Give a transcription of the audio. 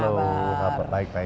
halo apa kabar baik baik